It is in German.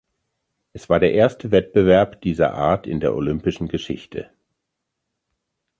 Es war der erste Wettbewerb dieser Art in der Olympischen Geschichte.